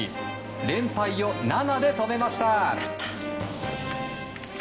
連敗を７で止めました。